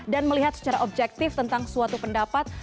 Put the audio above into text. dan melihat secara objektif tentang suatu pendapat